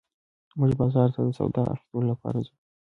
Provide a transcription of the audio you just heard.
موږ بازار ته د سودا اخيستلو لپاره ځو